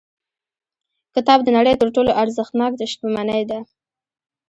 کتاب د نړۍ تر ټولو ارزښتناک شتمنۍ ده.